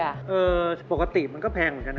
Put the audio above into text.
ปกติมันก็แพงเหมือนกันนะครับ